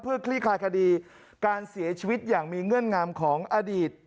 เพื่อคลี่คลายคดีการเสียชีวิตอย่างมีเงื่อนงำของอดีต